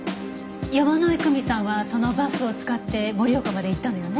山井久美さんはそのバスを使って盛岡まで行ったのよね？